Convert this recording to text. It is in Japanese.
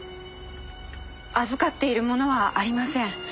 預かっているものはありません。